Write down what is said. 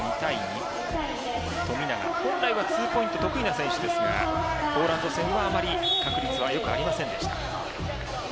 富永、本来はツーポイント得意な選手ですがあまり確率はよくありませんでした。